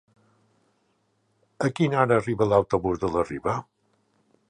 A quina hora arriba l'autobús de la Riba?